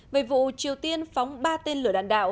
về vụ triều tiên phóng ba tên lửa đạn đạo